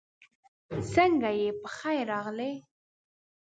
سنګه یی پخير راغلې